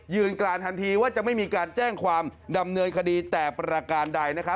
การทันทีว่าจะไม่มีการแจ้งความดำเนินคดีแต่ประการใดนะครับ